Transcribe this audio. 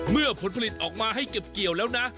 ผลผลิตออกมาให้เก็บเกี่ยวแล้วนะ